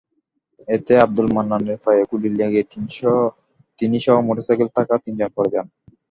এতে আবদুল মান্নানের পায়ে গুলি লেগে তিনিসহ মোটরসাইকেল থাকা তিনজন পড়ে যান।